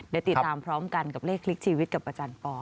เดี๋ยวติดตามพร้อมกันกับเลขคลิกชีวิตกับอาจารย์ปอ